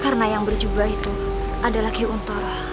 karena yang berjubah itu adalah ki untoro